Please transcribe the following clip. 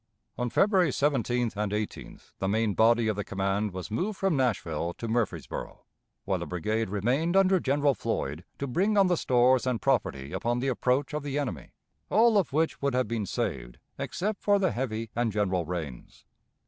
On February 17th and 18th the main body of the command was moved from Nashville to Murfreesboro, while a brigade remained under General Floyd to bring on the stores and property upon the approach of the enemy, all of which would have been saved except for the heavy and general rains.